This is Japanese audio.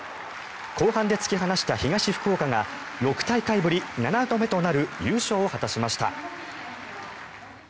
後半で突き放した東福岡が６大会ぶり７度目となる優勝を果たしました。